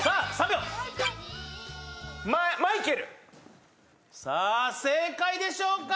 ３秒さあ正解でしょうか